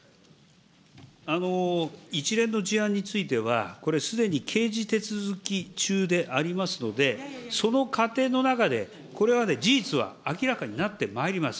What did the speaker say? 一連の事案については、これ、すでに刑事手続き中でありますので、その過程の中で、これは事実は明らかになってまいります。